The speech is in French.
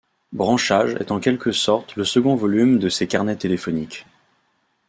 Branchages est en quelque sorte le second volume de ces carnets téléphoniques.